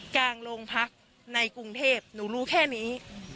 กลางโรงพักในกรุงเทพหนูรู้แค่นี้